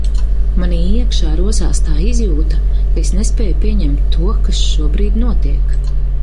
Manī iekšā rosās tā izjūta, ka es nespēju pieņemt to, kas šobrīd notiek.